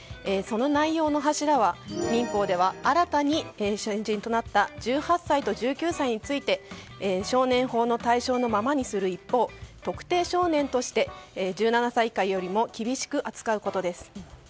その内容の柱は民法では新たに成人となった１８歳と１９歳について少年法の対象のままにする一方特定少年として１７歳以下よりも厳しく扱うことです。